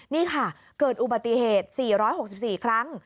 นี่ค่ะเกิดอุบัติเหตุ๔๖๔ครั้ง